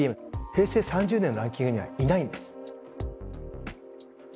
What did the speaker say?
平成３０年のランキングにはいないんです。